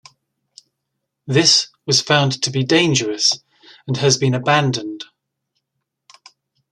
This was found to be dangerous, and has been abandoned.